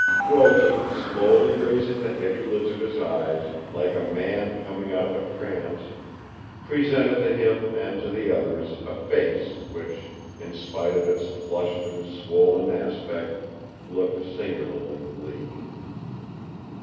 Wilton, slowly raising the heavy lids of his eyes, like a man coming out of a trance, presented to him and to the others a face which, in spite of its flushed and swollen aspect, looked singularly bleak.